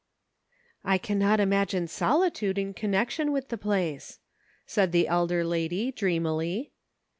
" I cannot imagine solitude in connection with the place," said the elder lady, dreamily.